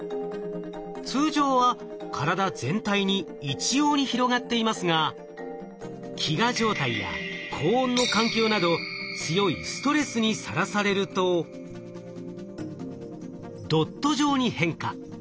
通常は体全体に一様に広がっていますが飢餓状態や高温の環境など強いストレスにさらされるとドット状に変化。